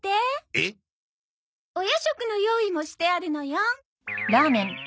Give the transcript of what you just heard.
えっ？お夜食の用意もしてあるのよ。